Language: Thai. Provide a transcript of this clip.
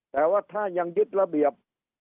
แต่ว่าถ้ายังยึดระเบียบ